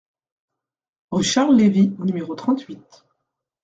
Rue Charles Levy au numéro trente-huit